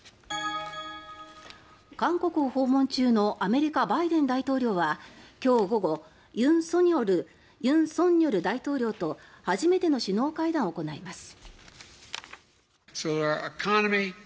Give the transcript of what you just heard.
韓国を訪問中のアメリカ、バイデン大統領は今日午後、尹錫悦大統領と初めての首脳会談を行います。